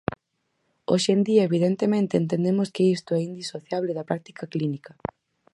Hoxe en día, evidentemente, entendemos que isto é indisociable da práctica clínica.